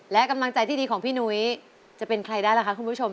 และกำลังใจที่ดีของพี่นุ้ยจะเป็นใครได้ล่ะคะคุณผู้ชม